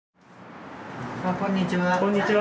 こんにちは。